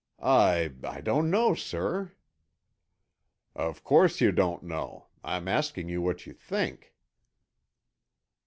"I—I don't know, sir." "Of course you don't know. I'm asking you what you think."